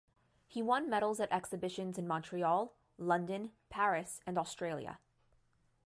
He won medals at exhibitions in Montreal, London, Paris, and Australia.